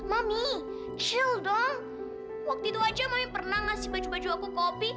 mami chill dong waktu itu aja momen pernah ngasih baju baju aku kopi